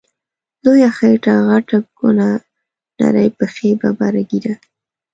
لويه خيټه غټه کونه، نرۍ پښی ببره ږيره